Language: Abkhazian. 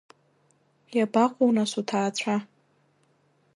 Иабаҟоу, нас, уҭаацәа?